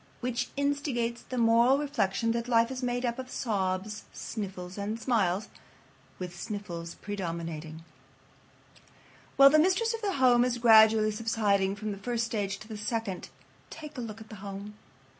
Which instigates the moral reflection that life is made up of sobs, sniffles, and smiles, with sniffles predominating. While the mistress of the home is gradually subsiding from the first stage to the second, take a look at the home.